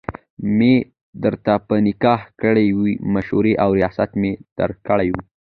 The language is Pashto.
مي درته په نکاح کړي وي، مشري او رياست مي درکړی وو